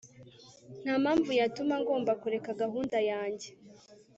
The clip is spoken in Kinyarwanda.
Nta mpamvu yatuma ngomba kureka gahunda yanjye